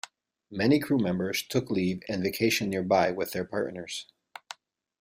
Many crewmembers took leave and vacationed nearby with their partners.